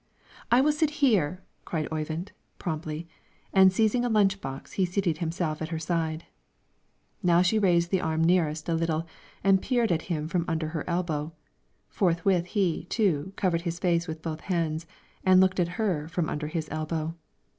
"I will sit here!" cried Oyvind, promptly, and seizing a lunch box he seated himself at her side. Now she raised the arm nearest him a little and peered at him from under her elbow; forthwith he, too, covered his face with both hands and looked at her from under his elbow.